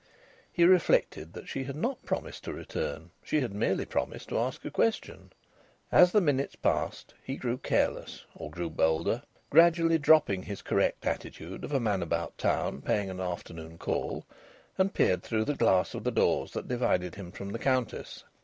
He reflected that she had not promised to return; she had merely promised to ask a question. As the minutes passed he grew careless, or grew bolder, gradually dropping his correct attitude of a man about town paying an afternoon call, and peered through the glass of the doors that divided him from the Countess.